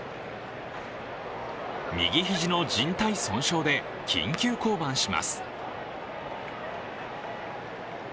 右肘のじん帯損傷で緊急降板します。